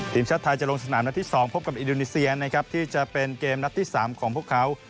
ทีมชาติไทยจะลงสนามนัดที่๒พบกับอินโดนีเซียนะครับที่จะเป็นเกมนัดที่๓ของพวกเขา